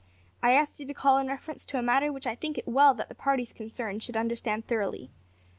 `I asked you to call in reference to a matter which I think it well that the parties concerned should understand thoroughly.